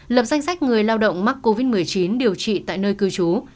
lập danh sách người lao động mắc covid một mươi chín điều trị tại nơi cư trú